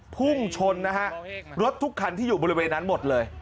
พุ่งชนนะฮะรถทุกคันที่อยู่บริเวณนั้นหมดเลย